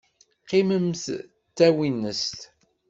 Qqiment d tawinest.